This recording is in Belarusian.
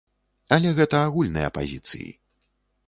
Але гэта агульныя пазіцыі.